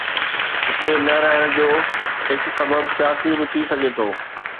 هتي نه رهڻ جو هڪ سبب سياسي به ٿي سگهي ٿو.